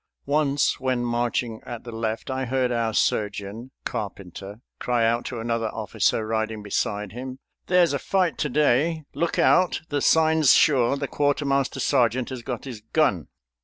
Once when marching at the left I heard our surgeon, Carpenter, cry out to another officer riding beside him: "There's a fight to day. Look out. The sign's sure. The quartermaster sergeant has got his gun."